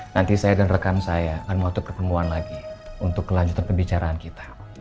nanti saya dan rekan saya akan melakukan pertemuan lagi untuk kelanjutan pembicaraan kita